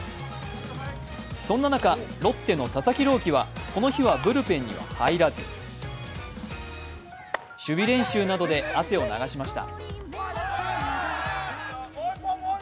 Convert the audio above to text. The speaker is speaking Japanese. そんな中、ロッテの佐々木朗希はこの日はブルペンには入らず、守備練習などで汗を流しました。